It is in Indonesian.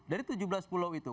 dari tujuh belas pulau itu